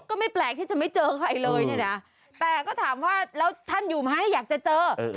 ก็ไม่แปลกที่จะไม่เจอใครเลยเนี่ยนะแต่ก็ถามว่าแล้วท่านอยู่ไหมอยากจะเจอ